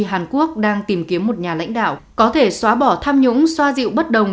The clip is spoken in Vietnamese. hàn quốc đang tìm kiếm một nhà lãnh đạo có thể xóa bỏ tham nhũng xoa dịu bất đồng